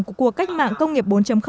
của cuộc cách mạng công nghiệp bốn